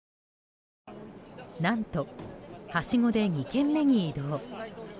何と、はしごで２軒目に移動。